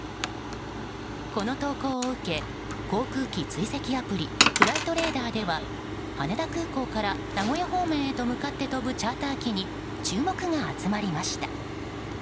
この投稿を受け航空機追跡アプリフライトレーダーでは羽田空港から名古屋方面へと向かって飛ぶチャーター機に注目が集まりました。